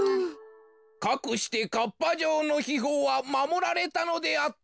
かくしてかっぱ城のひほうはまもられたのであった。